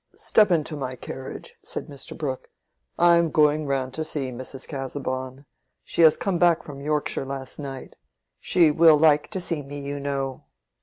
"Step into my carriage," said Mr. Brooke. "I am going round to see Mrs. Casaubon. She was to come back from Yorkshire last night. She will like to see me, you know."